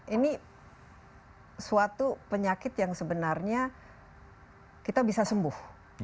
ini suatu penyakit yang sebenarnya kita bisa sembuh